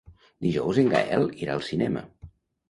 Dijous en Gaël irà al cinema.